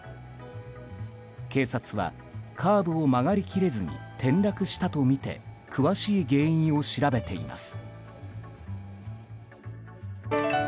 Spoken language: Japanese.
警察は、カーブを曲がり切れずに転落したとみて詳しい原因を調べています。